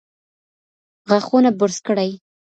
غاښونه برس کړئ.